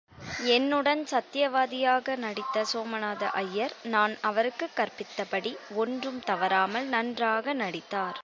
என்னுடன் சத்யவதியாக நடித்த சோமநாத ஐயர், நான் அவருக்குக் கற்பித்தபடி ஒன்றும் தவறாமல் நன்றாக நடித்தார்.